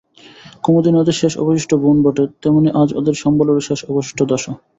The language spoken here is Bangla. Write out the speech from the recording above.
কুমুদিনী ওদের শেষ অবশিষ্ট বোন বটে, তেমনি আজ ওদের সম্বলেরও শেষ অবশিষ্ট দশা।